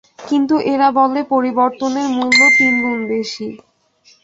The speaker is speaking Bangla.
কিন্তু এরা বলে পরিবর্তনের মূল্য তিনগুণ বেশী।